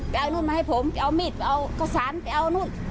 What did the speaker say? ไปเอานู้นมาให้ผมไปเอามีดไปเอาข้อสารไปเอานู้น